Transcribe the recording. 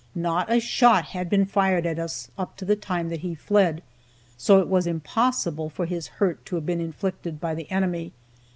Not a shot had been fired at us up to the time when he fled, so it was impossible for his hurt to have been inflicted by the enemy.